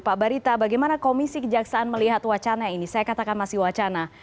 pak barita bagaimana komisi kejaksaan melihat wacana ini saya katakan masih wacana